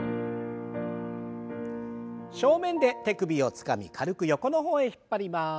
正面で手首をつかみ軽く横の方へ引っ張ります。